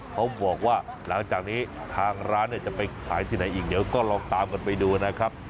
เขาบอกว่าหลังจากนี้ทางร้านจะไปขายที่ไหนอีกเดี๋ยวก็ลองตามกันไปดูนะครับ